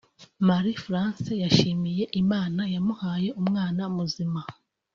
Marie France yashimiye Imana yamuhaye umwana muzima